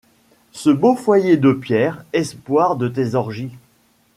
Ce beau foyer de pierre, espoir de tes orgies